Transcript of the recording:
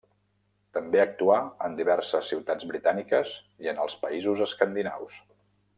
També actuà en diverses ciutats britàniques i en els països escandinaus.